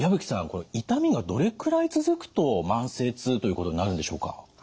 これ痛みがどれくらい続くと慢性痛ということになるんでしょうか？